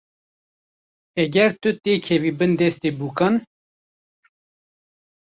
Heger tu têkevî bin destê bûkan.